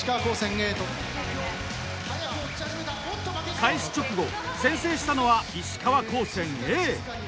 開始直後先制したのは石川高専Ａ。